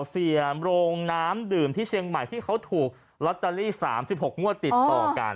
เสียโรงน้ำดื่มที่เชียงใหม่ที่เขาถูกลอตเตอรี่๓๖งวดติดต่อกัน